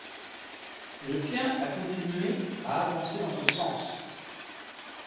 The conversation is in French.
Et je tiens à continuer à avancer dans ce sens.